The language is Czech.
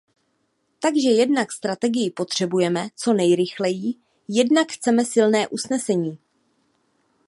Takže jednak strategii potřebujeme co nejrychleji, jednak chceme silné usnesení.